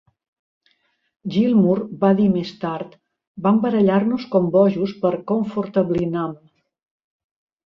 Gilmour va dir més tard, vam barallar-nos com bojos per "Comfortably Numb".